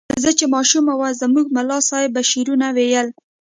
زه چې ماشوم وم زموږ ملا صیب به شعرونه ویل.